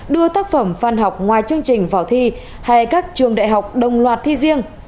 đưa tác phẩm văn học ngoài chương trình vào thi hay các trường đại học đồng loạt thi riêng